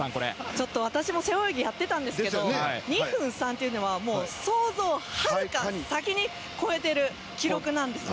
ちょっと私も背泳ぎをやっていたんですが２分３というのは想像をはるか先に超えている記録なんですね。